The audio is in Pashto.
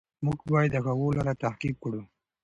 موږ باید د هغوی لاره تعقیب کړو.